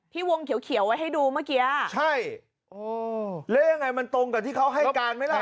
วงเขียวเขียวไว้ให้ดูเมื่อกี้ใช่โอ้แล้วยังไงมันตรงกับที่เขาให้การไหมล่ะ